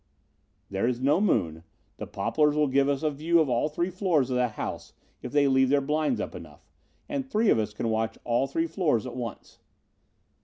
"There is no moon. The poplars will give us a view of all three floors of that house, if they leave their blinds up enough, and three of us can watch all three floors at once."